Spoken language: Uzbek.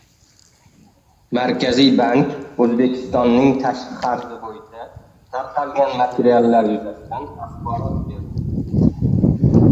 Markaziy bank O‘zbekistonning tashqi qarzi bo‘yicha tarqalgan materiallar yuzasidan axborot berdi